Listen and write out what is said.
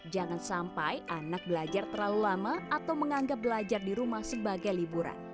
jangan sampai anak belajar terlalu lama atau menganggap belajar di rumah sebagai liburan